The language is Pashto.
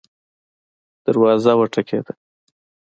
دروازه وټکیده